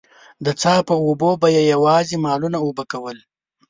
د څاه په اوبو به يې يواځې مالونه اوبه کول.